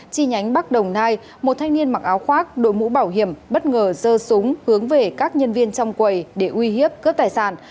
chi nhánh bắc đồng nai một thanh niên mặc áo khoác đội mũ bảo hiểm bất ngờ rơi xuống hướng về các nhân viên trong quầy để uy hiếp cướp tài sản